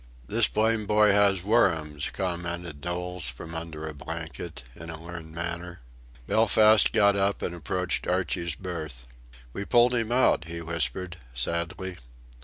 "This blamed boy has worrums!" commented Knowles from under a blanket, in a learned manner. Belfast got up and approached Archie's berth. "We pulled him out," he whispered, sadly.